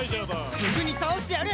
すぐに倒してやる！